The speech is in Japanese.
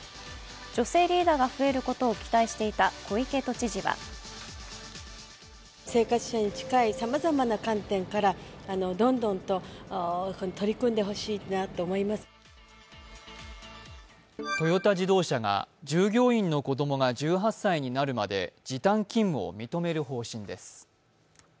女性リーダーが増えることを期待していた小池都知事はトヨタ自動車が従業員の子供が１８歳になるまで時短勤務を認める方針です。